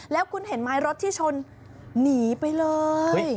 แล้วคุณเห็นไหมรถที่ชนหนีไปเลย